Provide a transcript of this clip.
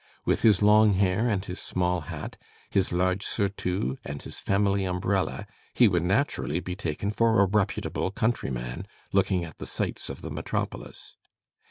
With his long hair and his small hat, his large surtout and his family umbrella, he would naturally be taken for a reputable countryman looking at the sights of the metropolis.